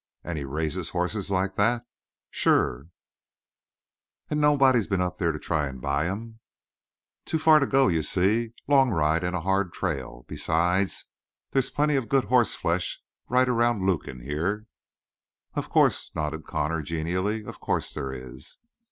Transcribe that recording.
"And he raises horses like that?" "Sure." "And nobody's been up there to try to buy 'em?" "Too far to go, you see? Long ride and a hard trail. Besides, they's plenty of good hoss flesh right around Lukin, here." "Of course," nodded Connor genially. "Of course there is."